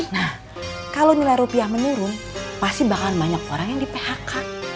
nah kalau nilai rupiah menurun pasti bakal banyak orang yang di phk